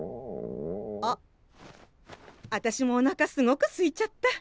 あっあたしもおなかすごくすいちゃった。